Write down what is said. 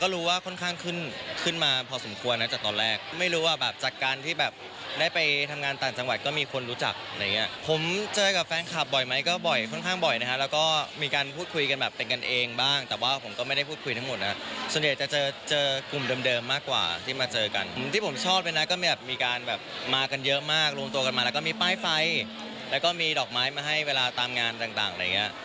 แล้วก็มีดอกไม้มาให้เวลาตามงานต่างอะไรอย่างนี้